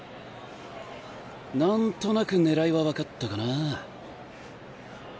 なんとなくねらいは分かったかな。